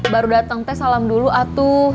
baru datang teh salam dulu atuh